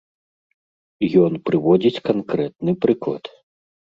Ён прыводзіць канкрэтны прыклад.